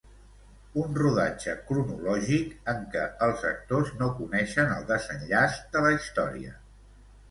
Un rodatge cronològic en què els actors no coneixen el desenllaç de la història.